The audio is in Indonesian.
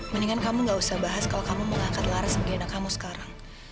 mendingan kamu gak usah bahas kalau kamu mengangkat lara sebagai anak kamu sekarang